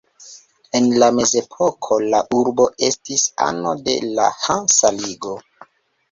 En la Mezepoko la urbo estis ano de la Hansa Ligo.